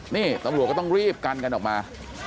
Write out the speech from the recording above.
นี่ตำรวจก็ต้องรีบกันกันออกมา